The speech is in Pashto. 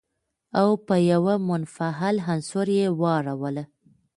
او په يوه منفعل عنصر يې واړوله.